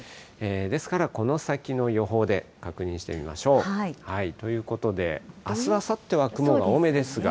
ですから、この先の予報で確認してみましょう。ということで、あす、あさっては雲が多めですが。